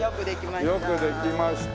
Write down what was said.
よくできました。